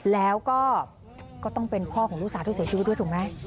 แล้วก็ก็ต้องเป็นพ่อของลูกสาวที่เสียชีวิตด้วยถูกไหม